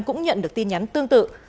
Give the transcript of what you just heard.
cũng nhận được tin nhắn tương tự